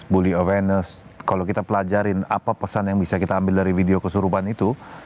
bully avenus kalau kita pelajarin apa pesan yang bisa kita ambil dari video kesurupan itu